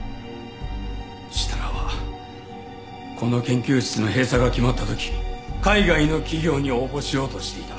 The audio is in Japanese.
設楽はこの研究室の閉鎖が決まった時海外の企業に応募しようとしていた。